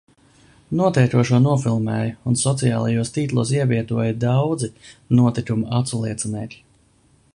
Notiekošo nofilmēja un sociālajos tīklos ievietoja daudzi notikuma aculiecinieki.